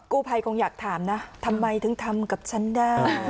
กู้ภัยคงอยากถามนะทำไมถึงทำกับฉันได้